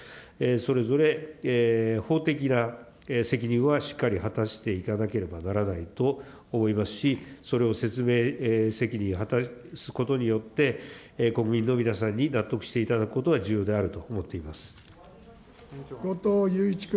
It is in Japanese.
それぞれ法的な責任はしっかり果たしていかなければならないと思いますし、それを説明責任、果たすことによって、国民の皆さんに納得していただくことは重要であると思っています。